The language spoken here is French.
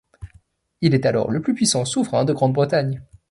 Il est alors le plus puissant souverain de Grande-Bretagne.